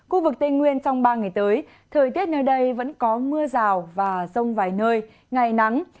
khu vực tây nguyên trong ba ngày tới thời tiết nơi đây vẫn có mưa rào và rông vài nơi ngày nắng